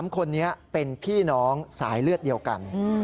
๓คนนี้เป็นพี่น้องสายเลือดเดียวกัน